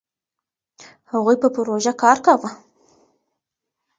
هغوی په پروژه کار کاوه.